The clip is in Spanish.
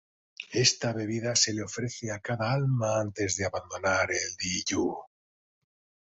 Esta bebida se le ofrece a cada alma antes de abandonar el Di Yu.